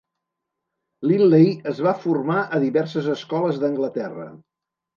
Linley es va formar a diverses escoles d'Anglaterra.